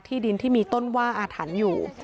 ดินที่มีต้นว่าอาถรรพ์อยู่